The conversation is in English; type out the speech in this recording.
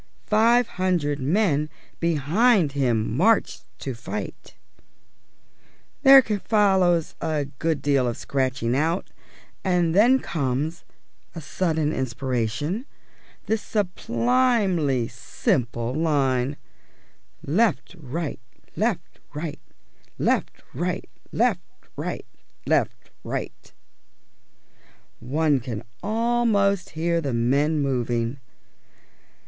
_ _Five hundred men behind him marched to fight _ There follows a good deal of scratching out, and then comes (a sudden inspiration) this sublimely simple line: Left right, left right, left right, left right, left right. One can almost hear the men moving.